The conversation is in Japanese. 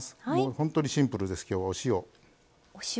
本当にシンプルです、きょう。